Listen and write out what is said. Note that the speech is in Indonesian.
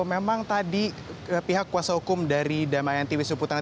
memang tadi pihak kuasa hukum dari damayanti wisnu putranti